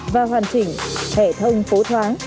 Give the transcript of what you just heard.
và hoàn chỉnh hệ thông phố thoáng